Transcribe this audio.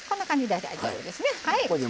大丈夫ですね。